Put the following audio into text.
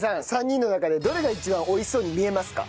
３人の中でどれが一番美味しそうに見えますか？